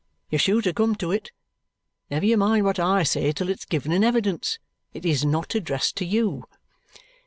You're sure to come to it. Never you mind what I say till it's given in evidence. It is not addressed to you."